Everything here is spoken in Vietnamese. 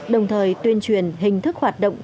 đồng thời tuyên truyền hình thức hoạt động